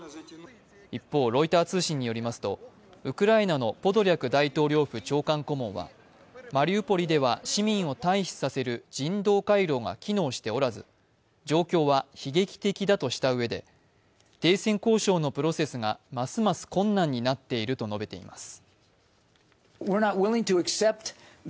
一方、ロイター通信によりますと、ウクライナのポドリャク大統領府長官顧問はマリウポリでは市民を退避させる人道回廊が機能しておらず状況は悲劇的だとしたうえで停戦交渉のプロセスがますます困難になっていると述べています。